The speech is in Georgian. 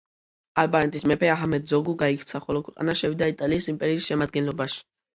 ალბანეთის მეფე აჰმედ ზოგუ გაიქცა, ხოლო ქვეყანა შევიდა იტალიის იმპერიის შემადგენლობაში.